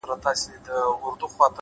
هڅه د وېرې دروازه تړي؛